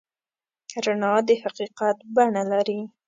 رڼا د حقیقت بڼه لري.